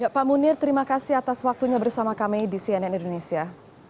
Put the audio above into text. pak munir terima kasih atas waktunya bersama kami di cnn indonesia